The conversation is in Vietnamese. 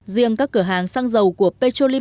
riêng các cửa hàng xăng dầu của petrolimax